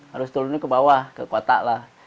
harus turun dulu ke bawah ke kota lah